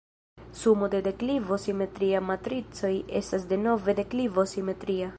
Sumo de deklivo-simetriaj matricoj estas denove deklivo-simetria.